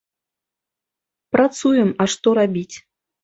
Працуем, а што рабіць?